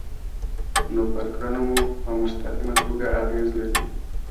نو پر کړنو مو په مستقیمه توګه اغیز لري.